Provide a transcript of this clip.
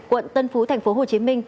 quận tân phú tp hcm